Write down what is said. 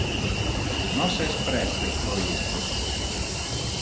Nos es preste pro isto.